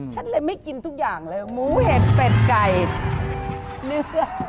ฉันเลยไม่กินทุกอย่างเลยหมูเห็ดเป็ดไก่เนื้อ